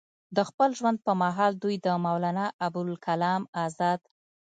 د خپل ژوند پۀ محال دوي د مولانا ابوالکلام ازاد